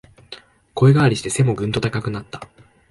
声変わりして背もぐんと高くなった